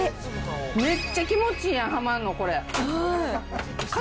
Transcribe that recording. めっちゃ気持ちいいやん、はまんの、これ。